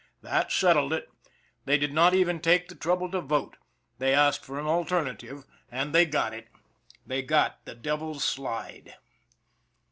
That settled it. They did not even take the trouble to vote. They asked for an alternative and they got it. They got the Devil's Slide.